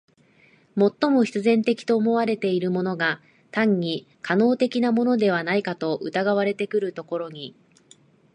最も必然的と思われているものが単に可能的なものではないかと疑われてくるところに、